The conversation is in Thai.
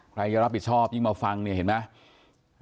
ใครจะรับผิดชอบยิ่งมาฟังเนี่ยเห็นไหม